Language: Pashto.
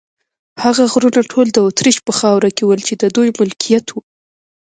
هغه غرونه ټول د اتریش په خاوره کې ول، چې د دوی ملکیت و.